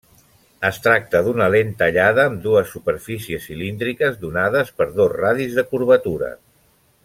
Es tracta d'una lent tallada amb dues superfícies cilíndriques donades per dos radis de curvatura.